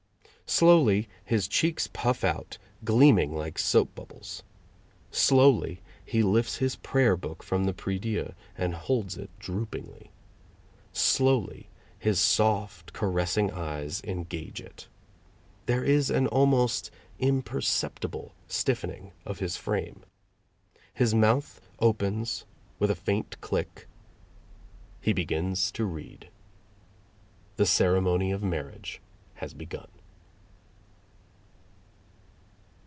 Slowly his cheeks puff out, gleaming like soap bubbles. Slowly he lifts his prayer book from the prie dieu and holds it droopingly. Slowly his soft caressing eyes engage it. There is an almost imperceptible stiffening of his frame. His mouth opens with a faint click. He begins to read. The Ceremony of Marriage has begun.